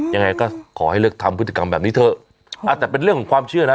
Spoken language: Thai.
ยังไงก็ขอให้เลือกทำพฤติกรรมแบบนี้เถอะอ่าแต่เป็นเรื่องของความเชื่อนะ